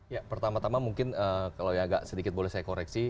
ya pertama tama mungkin kalau yang agak sedikit boleh saya koreksi